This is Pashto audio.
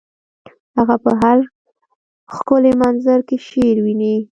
هغه په هر ښکلي منظر کې شعر ویني